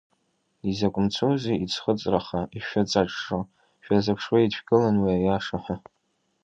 Изакә мцузеи иӡхыҵраха ишәыҵаҽҽо, шәазыԥшуеит шәгылан уи аиаша ҳәа…